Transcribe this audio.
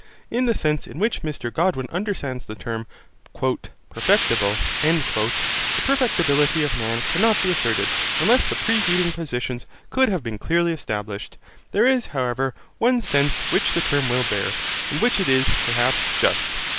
In the sense in which Mr Godwin understands the term 'perfectible', the perfectibility of man cannot be asserted, unless the preceding propositions could have been clearly established. There is, however, one sense, which the term will bear, in which it is, perhaps, just.